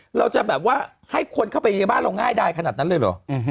หรือว่าให้คนเข้าไปในบ้านเราง่ายได้ขนาดนั้นเลยหรอ